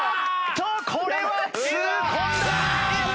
これは痛恨だ！